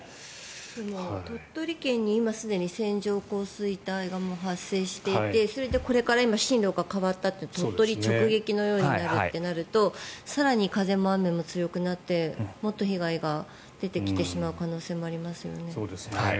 鳥取県に今すでに線状降水帯が発生していてそれでこれから進路が変わったって鳥取直撃のようになるってなると更に風も雨も強くなってもっと被害が出てきてしまう可能性もありますよね。